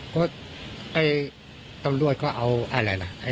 เพราะตำรวจก็เอาอะไรล่ะ